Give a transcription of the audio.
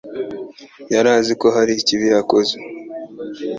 yari azi ko hari ikibi yakoze.